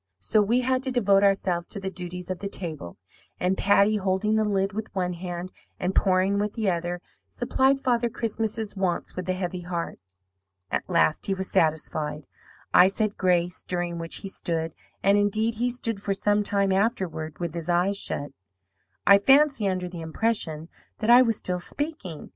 "So we had to devote ourselves to the duties of the table; and Patty, holding the lid with one hand and pouring with the other, supplied Father Christmas's wants with a heavy heart. "At last he was satisfied. I said grace, during which he stood, and, indeed, he stood for some time afterward with his eyes shut I fancy under the impression that I was still speaking.